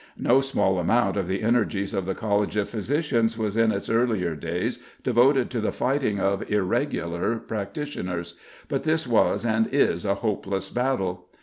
No small amount of the energies of the College of Physicians was in its earlier days devoted to the fighting of irregular practitioners, but this was and is a hopeless battle.